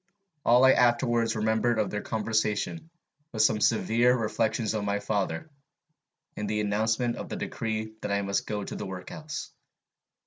All I afterwards remembered of their conversation was some severe reflections on my father, and the announcement of the decree that I must go to the workhouse.